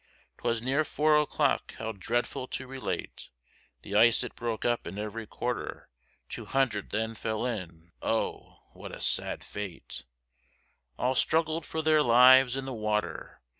'Twas near four o'clock, how dreadful to relate, The ice it broke up in every quarter; Two hundred then fell in, oh, what a sad fate, All struggled for their lives in the water.